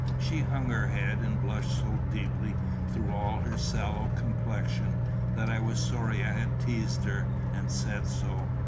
She hung her head, and blushed so deeply through all her sallow complexion, that I was sorry I had teased her, and said so.